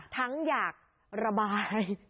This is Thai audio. ทั้งอยากระบาย